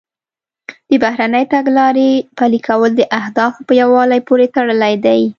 د بهرنۍ تګلارې پلي کول د اهدافو په یووالي پورې تړلي دي